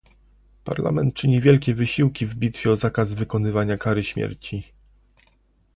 Parlament czyni wielkie wysiłki w bitwie o zakaz wykonywania kary śmierci